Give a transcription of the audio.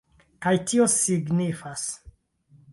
Kaj tio signifas